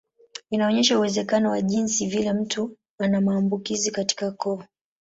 Inaonyesha uwezekano wa jinsi vile mtu ana maambukizi katika koo.